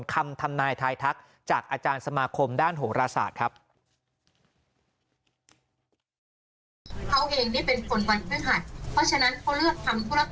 ทำนายทายทักจากอาจารย์สมาคมด้านโหรศาสตร์ครับ